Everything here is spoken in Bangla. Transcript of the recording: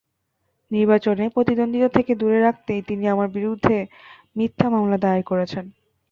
নির্বাচনে প্রতিদ্বন্দ্বিতা থেকে দূরে রাখতেই তিনি আমার বিরুদ্ধে মিথ্যা মামলা দায়ের করেছেন।